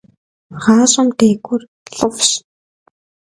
ГъашӀэм декӀур лӀыфӀщ.